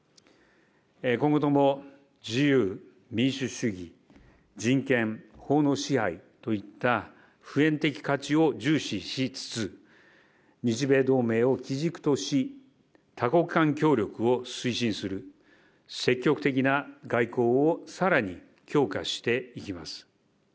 今後とも、自由、民主主義、人権、法の支配といった普遍的価値を重視しつつ、日米同盟を基軸とし、多国間協力を推進する積極的な外交をさらに強化していきます。